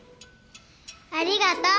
ありがとう！